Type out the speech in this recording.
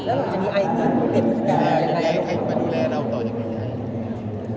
แล้วหลังจากนี้ไอดูแลเราต่อจากนี้ไอดูแล